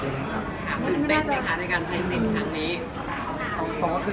ตื่นเต้นไหมคะในการใช้เสียงครั้งนี้